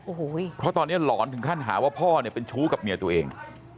โอ้โหเพราะตอนนี้หลอนถึงขั้นหาว่าพ่อเนี่ยเป็นชู้กับเมียตัวเอง